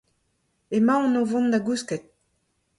Emaon o vont da gousket.